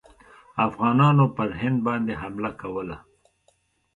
افغانانو پر هند باندي حمله کوله.